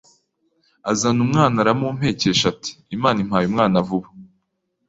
azana umwana aramumpekesha ati Imana impaye umwana vuba